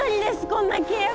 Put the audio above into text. こんな契約！